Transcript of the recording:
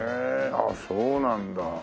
ああそうなんだ。